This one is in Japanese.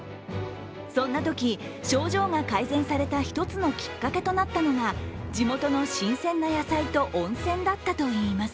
そんなとき、症状が改善された一つのきっかけとなったのが地元の新鮮な野菜と温泉だったといいます。